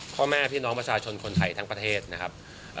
พ่อแม่พี่น้องประชาชนคนไทยทั้งประเทศนะครับ